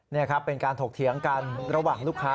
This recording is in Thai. นี่ครับเป็นการถกเถียงกันระหว่างลูกค้า